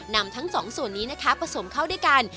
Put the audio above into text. นำทั้งสองส่วนนี้นะคะผสมเข้าด้วยกัน